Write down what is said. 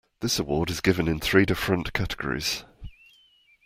This award is given in three different categories.